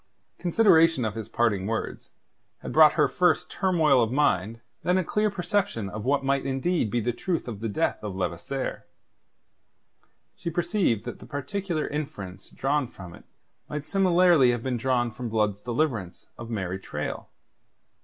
Consideration of his parting words had brought her first turmoil of mind, then a clear perception of what might be indeed the truth of the death of Levasseur. She perceived that the particular inference drawn from it might similarly have been drawn from Blood's deliverance of Mary Traill.